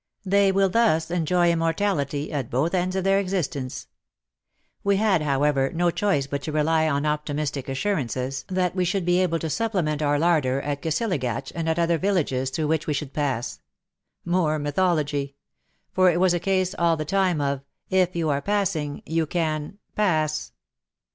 They will thus enjoy immortality at both ends of their existence. We had, however, no choice but to rely on optimistic assurances that we 74 WAR AND WOMEN should be able to supplement our larder at Kisilagatch and at other villages through which we should pass. More mythology ! For it was a case all the time of, '* if you are passing, you can — pass."